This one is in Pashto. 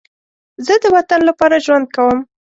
زه د وطن لپاره ژوند کوم